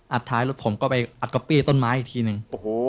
อัดท้ายรถผมก็ไปอัดโคปีต้นไม้อีกทีนึง